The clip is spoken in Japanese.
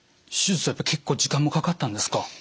手術は結構時間もかかったんですか？